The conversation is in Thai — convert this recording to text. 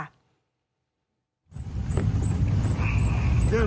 มันอยู่นั่น